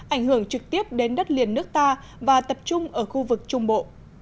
ảnh hưởng trực tiếp đến đất liền nước ta và tập trung ở khu vực trung bộ